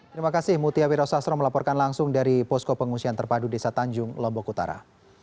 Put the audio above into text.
terima kasih mutia wiro sastro melaporkan langsung dari posko pengungsian terpadu desa tanjung lombok utara